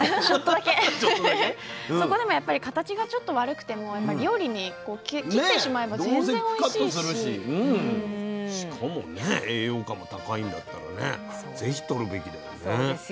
そこでも形がちょっと悪くても料理にしてしまえばしかも栄養価も高いんだったらぜひとるべきだよね。